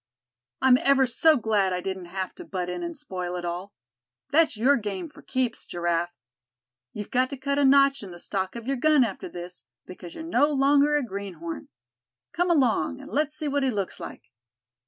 "I'm ever so glad I didn't have to butt in, and spoil it all. That's your game for keeps, Giraffe. You've got to cut a notch in the stock of your gun after this, because you're no longer a greenhorn. Come along, and let's see what he looks like."